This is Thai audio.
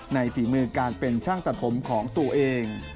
ฝีมือการเป็นช่างตัดผมของตัวเอง